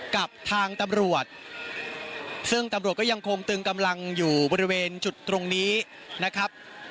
กับทางตำรวจซึ่งตำรวจก็ยังคงตึงกำลังอยู่บริเวณจุดตรงนี้นะครับ